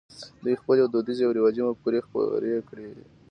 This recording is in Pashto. دوی خپلې دودیزې او رواجي مفکورې خپرې کړې.